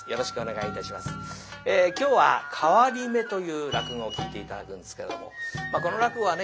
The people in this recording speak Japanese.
今日は「代り目」という落語を聴いて頂くんですけれどもこの落語はね